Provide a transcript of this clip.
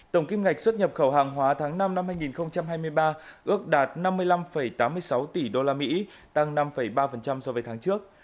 tổng kim ngạch xuất nhập khẩu hàng hóa tháng năm năm hai nghìn hai mươi ba ước đạt năm mươi năm tám mươi sáu tỷ usd tăng năm ba so với tháng trước